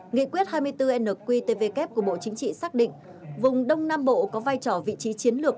nghị quyết hai mươi bốn nqtvk của bộ chính trị xác định vùng đông nam bộ có vai trò vị trí chiến lược